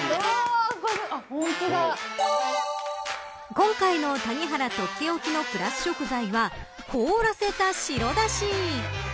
今回の谷原とっておきのプラス食材は凍らせた白だし。